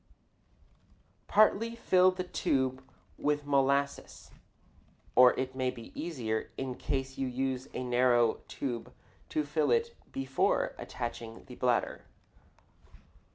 Partly fill the tube with molasses (or it may be easier in case you use a narrow tube to fill it before attaching the bladder).